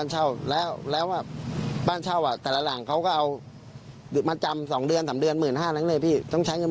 เราก็ต้องไปคุยกับคู่กรณีด้วย